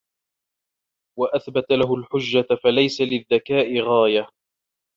وَأَثْبَتَ لَهُ الْحُجَّةَ فَلَيْسَ لِلذَّكَاءِ غَايَةٌ